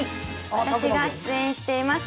私が出演しています